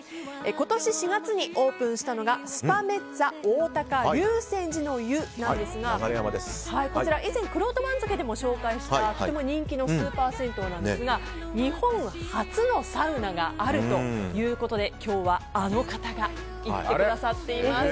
今年４月にオープンしたのがスパメッツァおおたか竜泉寺の湯なんですがこちら、以前くろうと番付でも紹介したとても人気のスーパー銭湯ですが日本初のサウナがあるということで今日は、あの方が行ってくださっています。